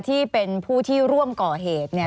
ที่เป็นผู้ที่ร่วมก่อเหตุเนี่ย